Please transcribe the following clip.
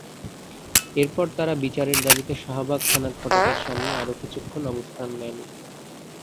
এরপর তাঁরা বিচারের দাবিতে শাহবাগ থানার ফটকের সামনে আরও কিছুক্ষণ অবস্থান নেন।